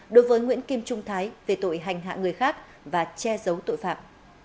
đối với nguyễn kim trung thái về tội hành hạ người khác và che giấu tội phạm